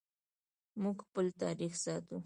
موږ خپل تاریخ ساتو